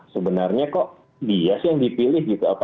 sebenarnya kok bias yang dipilih gitu